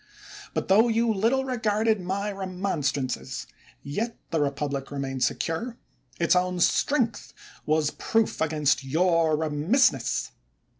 But tho you little regarded my remonstrances, yet the republic remained secure; its own strength was proof against your remissness.